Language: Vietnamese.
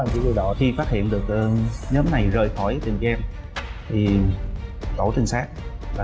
anh chị tôi đọc khi phát hiện được nhóm này rời khỏi cái tiệm game thì tổ tình xác là